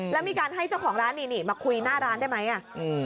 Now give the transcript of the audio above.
แล้วมีการให้เจ้าของร้านนี่นี่มาคุยหน้าร้านได้ไหมอ่ะอืม